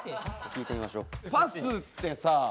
聞いてみましょう。